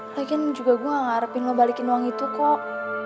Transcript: lagi juga gue gak ngarepin lo balikin uang itu kok